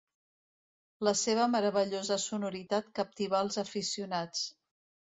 La seva meravellosa sonoritat captivà als aficionats.